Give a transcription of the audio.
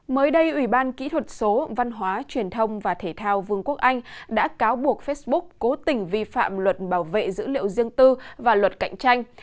mới đây ủy ban kỹ thuật số văn hóa truyền thông và thể thao vương quốc anh đã cáo buộc facebook cố tình vi phạm luật bảo vệ dữ liệu riêng tư và luật cạnh tranh